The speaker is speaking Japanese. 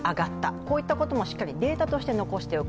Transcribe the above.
こういったことも、しっかりデータとして残しておく。